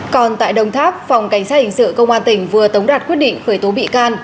còn tại đồng tháp phòng cảnh sát hình sự công an tỉnh vừa tống đạt quyết định khởi tố bị can